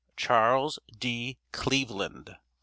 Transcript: CHARLES D. CLEVELAND.